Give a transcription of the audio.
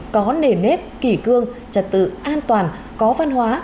có nền nếp kỷ cương trật tự an toàn có văn hóa